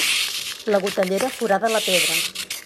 La gotellera forada la pedra.